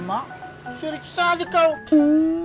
mak serik saja kau